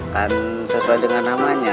kan sesuai dengan namanya